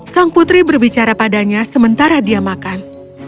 sang putri berbicara padanya sementara dia makan